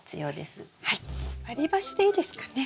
割り箸でいいですかね？